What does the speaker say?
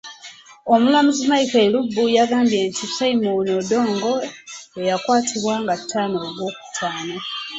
Omulamuzi Michael Elubu yagambye nti Simon Peter Odongo eyakwatibwa nga taano ogw'okutaano.